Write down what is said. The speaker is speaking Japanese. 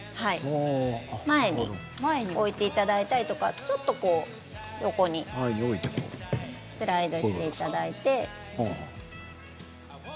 額の前に置いていただいたりちょっと横にしたりスライドしていただいて。